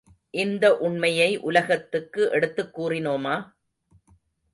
இந்த உண்மையை உலகத்துக்கு எடுத்துக் கூறினோமா?